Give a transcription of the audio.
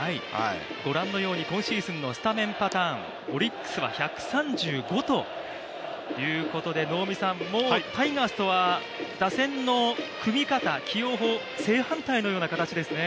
ご覧のように今シーズンのスタメンパターン、オリックスは１３５ということで能見さん、もうタイガースとは打線の組み方、起用法、正反対のような形ですね。